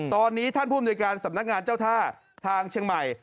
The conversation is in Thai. ตอนนี้ท่านผู้อำนวยการสำนักงานเจ้าท่าทางเชียงใหม่